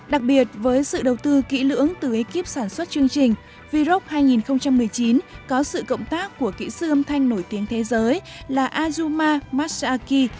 đặc biệt với sự đầu tư kỹ lưỡng từ ekip sản xuất chương trình v rock hai nghìn một mươi chín có sự cộng tác của kỹ sư âm thanh nổi tiếng thế giới là azuma masaaki